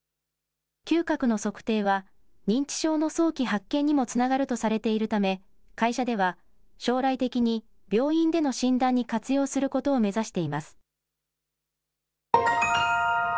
嗅覚の測定は、認知症の早期発見にもつながるとされているため、会社では将来的に病院での診断に活用することを目指しています。